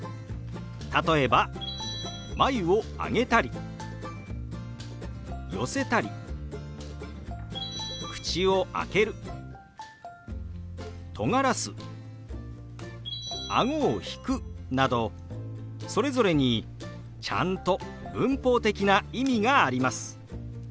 例えば眉を上げたり寄せたり口を開けるとがらすあごを引くなどそれぞれにちゃんと文法的な意味があります。